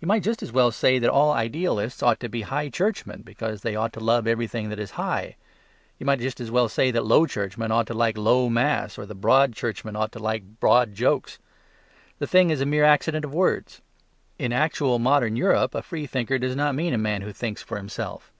You might just as well say that all idealists ought to be High Churchmen, because they ought to love everything that is high. You might as well say that Low Churchmen ought to like Low Mass, or that Broad Churchmen ought to like broad jokes. The thing is a mere accident of words. In actual modern Europe a freethinker does not mean a man who thinks for himself.